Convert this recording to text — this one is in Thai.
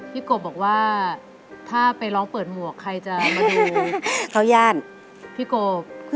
พี่กบบอกว่าถ้าไปร้องเปิดหมวกใครจะมาดู